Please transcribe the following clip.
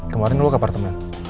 kemarin lu ke apartemen